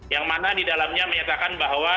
yang mana di dalamnya menyatakan bahwa